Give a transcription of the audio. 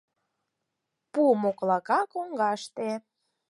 Пу моклака коҥгаште.